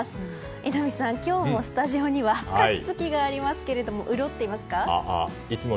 榎並さん、今日もスタジオには加湿器がありますけども潤っていますか？